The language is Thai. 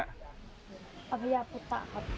อัพยาพุทธครับ